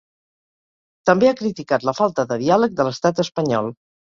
També ha criticat la falta de diàleg de l’estat espanyol.